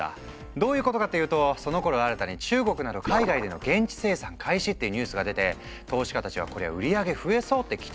どういうことかっていうとそのころ新たに中国など海外での現地生産開始っていうニュースが出て投資家たちは「こりゃ売り上げ増えそう」って期待しちゃったってわけ。